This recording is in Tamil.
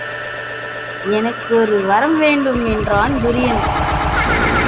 எனக்கு ஒரு வரம் வேண்டும் என்றான் துரியன்.